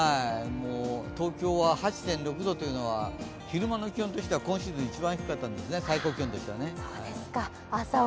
東京は８．６度というのは昼間の気温としては今シーズン一番低かったんですね、最高気温としては。